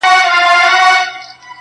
• زما شاعري وخوړه زې وخوړم.